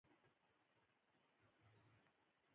افغانستان کې د هېواد مرکز په هنر کې منعکس کېږي.